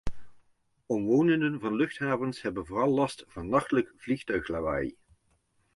Omwonenden van luchthavens hebben vooral last van nachtelijk vliegtuiglawaai.